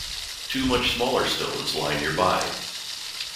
Two much smaller stones lie nearby.